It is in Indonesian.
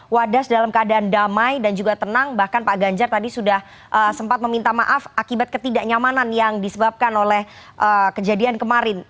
wadas dalam keadaan damai dan juga tenang bahkan pak ganjar tadi sudah sempat meminta maaf akibat ketidaknyamanan yang disebabkan oleh kejadian kemarin